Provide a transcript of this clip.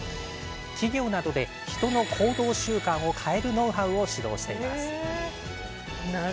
企業などで人の行動習慣を変えるノウハウを指導しています。